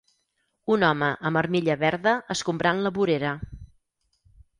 Un home amb armilla verda escombrant la vorera.